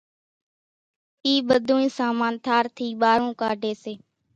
اِي ٻڌونئين سامان ٿار ٿي ٻارون ڪاڍي سي،